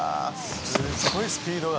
すごいスピード。